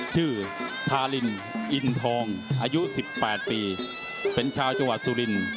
ทารินอินทองอายุ๑๘ปีเป็นชาวจังหวัดสุรินทร์